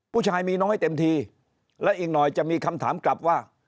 ผู้ชายมีน้อยเต็มทีและอีกหน่อยจะมีคำถามกลับว่า